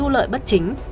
loại bất chính